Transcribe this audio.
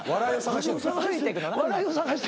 笑いを捜して。